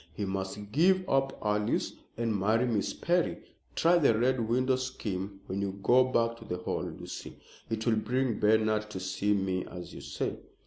He must give up Alice and marry Miss Perry. Try the Red Window scheme when you go back to the Hall, Lucy. It will bring Bernard to see me, as you say."